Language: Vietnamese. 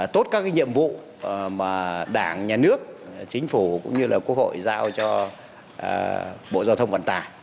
tốt các nhiệm vụ mà đảng nhà nước chính phủ cũng như là quốc hội giao cho bộ giao thông vận tải